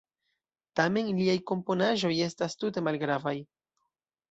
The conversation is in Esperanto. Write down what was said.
Tamen liaj komponaĵoj estas tute malgravaj.